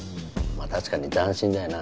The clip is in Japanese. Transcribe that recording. まあ確かに斬新だよな。